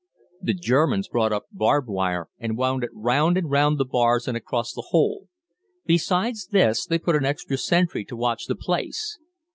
The Germans brought up barbed wire and wound it round and round the bars and across the hole. Besides this, they put an extra sentry to watch the place.